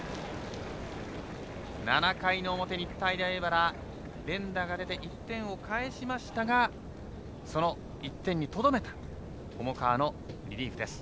７回の表、日体大荏原連打が出て１点をかえしましたがその１点にとどめた重川のリリーフです。